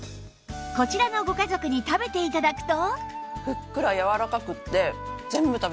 こちらのご家族に食べて頂くと